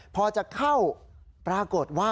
พอจะเข้าปรากฏว่า